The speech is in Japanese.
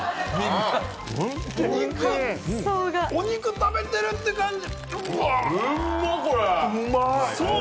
お肉食べてるって感じ！